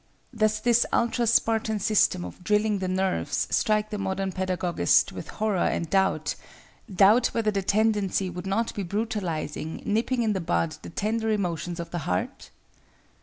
Does this ultra Spartan system of "drilling the nerves" strike the modern pedagogist with horror and doubt—doubt whether the tendency would not be brutalizing, nipping in the bud the tender emotions of the heart?